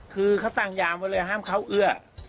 คือเขาตั้งยามไว้เลยห้ามเข้าเอื้อ